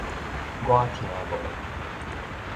我聽無